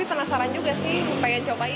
tapi penasaran juga sih pengen coba